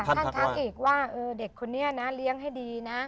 ทักอีกว่าเด็กคนนี้นะเลี้ยงให้ดีนะ